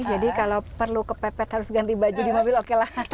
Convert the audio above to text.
jadi kalau perlu kepepet harus ganti baju di mobil oke lah